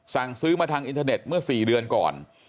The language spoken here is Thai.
สั่งซื้อมาทางอินเทอร์เน็ตเมื่อ๔เดือนก่อน